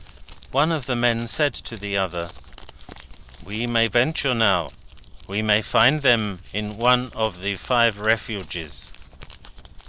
One of the men said to the other: "We may venture now. We may find them in one of the five Refuges."